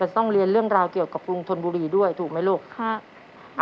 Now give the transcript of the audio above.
ต้องเรียนเรื่องราวเกี่ยวกับกรุงธนบุรีด้วยถูกไหมลูก